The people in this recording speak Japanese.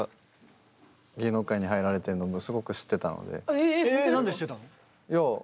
え何で知ってたの？